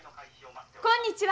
こんにちは！